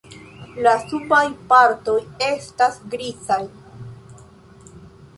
La subaj partoj estas grizaj.